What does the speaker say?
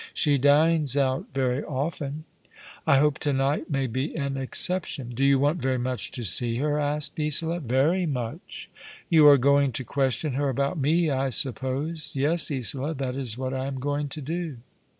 She dines out yery often." " I hope to night may be an exception." " Do you want very much to see her ?" asked Isola. " Very much." " You are going to question her about me, I suppose ?" "Yes, Isola, that is what I am going to do."